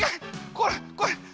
これこれ。